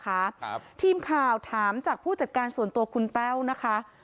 ครับทีมข่าวถามจากผู้จัดการส่วนตัวคุณแต้วนะคะ